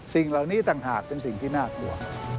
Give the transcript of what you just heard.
สิ่งเหล่านี้ต่างหากเป็นสิ่งที่น่ากลัว